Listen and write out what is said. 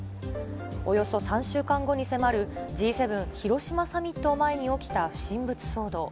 およそ３週間後に迫るＧ７広島サミットを前に起きた不審物騒動。